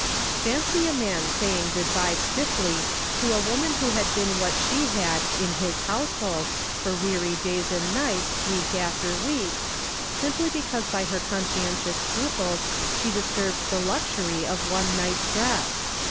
Fancy a man saying good bye stiffly to a woman who had been what she had in his household, for weary days and nights, week after week, simply because by her conscientious scruples she disturbed the luxury of one night's rest!